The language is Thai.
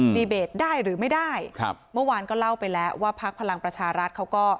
ดีเบตได้หรือไม่ได้ครับเมื่อวานก็เล่าไปแล้วว่าพักพลังประชารัฐเขาก็